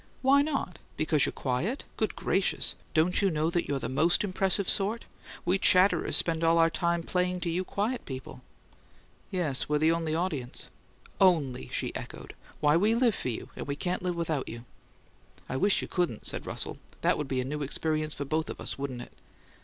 "Why not? Because you're quiet? Good gracious! Don't you know that you're the most impressive sort? We chatterers spend all our time playing to you quiet people." "Yes; we're only the audience." "'Only!'" she echoed. "Why, we live for you, and we can't live without you." "I wish you couldn't," said Russell. "That would be a new experience for both of us, wouldn't it?"